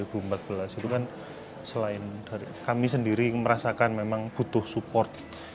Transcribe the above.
itu kan selain dari kami sendiri merasakan memang butuh support